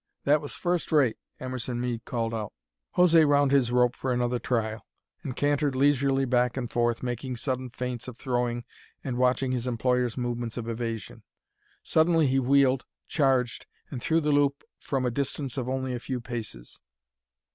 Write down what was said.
that was first rate!" Emerson Mead called out. José wound his rope for another trial, and cantered leisurely back and forth, making sudden feints of throwing and watching his employer's movements of evasion. Suddenly he wheeled, charged, and threw the loop from a distance of only a few paces.